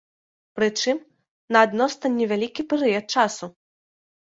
Прычым, на адносна невялікі перыяд часу.